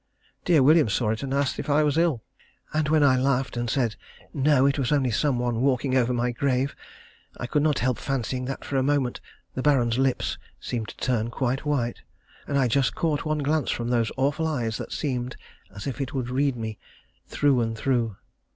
Dear William saw it, and asked if I was ill, and when I laughed and said, "No, it was only some one walking over my grave," I could not help fancying that for a moment the Baron's lips seemed to turn quite white, and I just caught one glance from those awful eyes that seemed as if it would read me through and through.